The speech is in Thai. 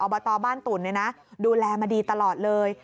บตบ้านตุ่นดูแลมาดีตลอดเลย